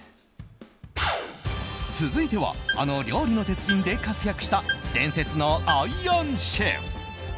続いては、あの「料理の鉄人」で活躍した伝説のアイアンシェフ！